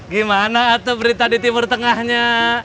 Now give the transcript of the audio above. gimana atau berita di timur tengahnya